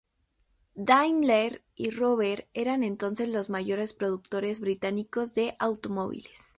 Daimler y Rover eran entonces los mayores productores británicos de automóviles.